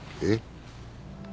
えっ？